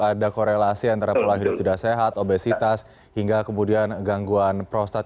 ada korelasi antara pola hidup tidak sehat obesitas hingga kemudian gangguan prostat